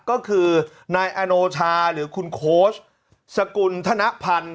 ก็คือนายอโนชาหรือคุณโค้ชสกุลธนพันธ์